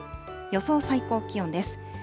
予想最高気温です。